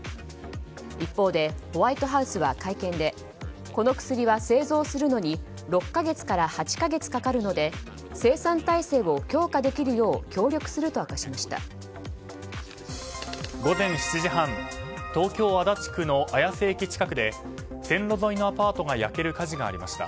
一方で、ホワイトハウスは会見でこの薬は製造するのに６か月から８か月かかるので生産体制を強化できるよう協力すると明かしました。